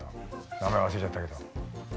名前忘れちゃったけど。